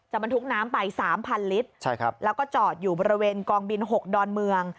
บรรทุกน้ำไป๓๐๐ลิตรแล้วก็จอดอยู่บริเวณกองบิน๖ดอนเมือง